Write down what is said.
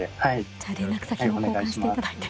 じゃあ連絡先交換していただいて。